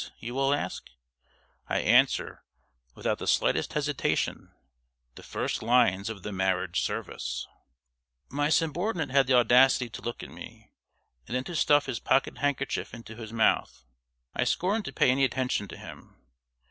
you will ask. I answer, without the slightest hesitation, the first lines of the Marriage Service. My subordinate had the audacity to look at me, and then to stuff his pocket handkerchief into his mouth. I scorned to pay any attention to him.